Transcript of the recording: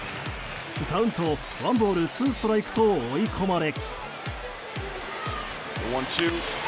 カウントワンボールツーストライクと追い込まれ。